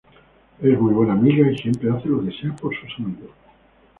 Es muy buena amiga y siempre hace lo que sea por sus amigos.